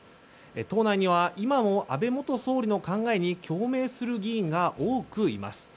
党内には今も安倍元総理の考えに共鳴する議員が多くいます。